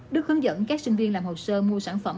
đức hướng dẫn các sinh viên làm hồ sơ mua sản phẩm